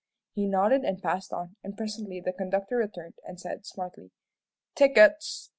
He nodded and passed on, and presently the conductor returned and said, smartly, "Tickets!"